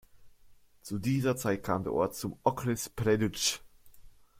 Zu dieser Zeit kam der Ort zum Okres Přelouč.